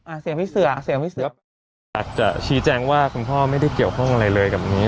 เสียงพี่เสือเสียงพี่เสืออยากจะชี้แจงว่าคุณพ่อไม่ได้เกี่ยวข้องอะไรเลยกับนี้